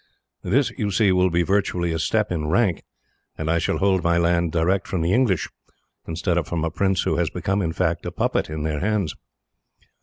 This, you see, will be virtually a step in rank, and I shall hold my land direct from the English, instead of from a prince who has become, in fact, a puppet in their hands."